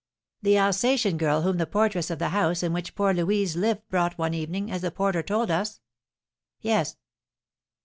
"The Alsatian girl whom the portress of the house in which poor Louise lived brought one evening, as the porter told us?" "Yes."